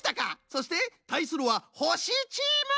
そしてたいするはほしチーム！